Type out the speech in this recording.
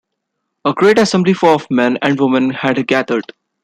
A great assembly of men and women had gathered.